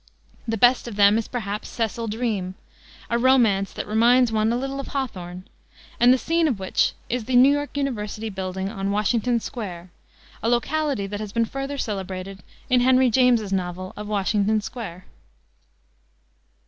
The best of them is, perhaps, Cecil Dreeme, a romance that reminds one a little of Hawthorne, and the scene of which is the New York University building on Washington Square, a locality that has been further celebrated in Henry James's novel of Washington Square.